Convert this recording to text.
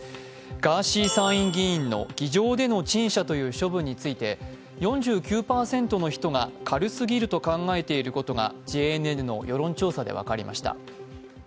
ガーシー参議院議員の議場での陳謝という処分について４９％の人が軽すぎると考えていることがＪＮＮの世論調査で分かりました。